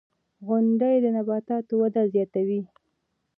• غونډۍ د نباتاتو وده زیاتوي.